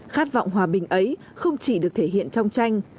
khát vọng hòa bình ấy không chỉ được thể hiện trong tranh